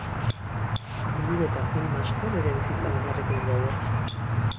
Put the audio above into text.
Liburu eta film asko bere bizitzan oinarriturik daude.